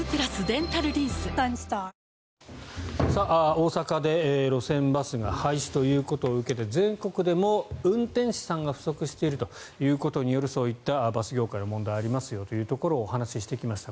大阪で路線バスが廃止ということを受けて全国でも運転手さんが不足しているということによるそういったバス業界の問題がありますよというところを話してきました。